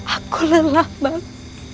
aku lelah bang